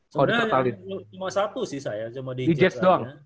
sebenarnya cuma satu sih saya cuma di ijs doang